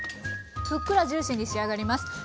ふっくらジューシーに仕上がります。